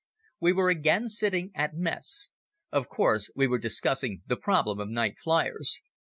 We were again sitting at mess. Of course we were discussing the problem of night fliers.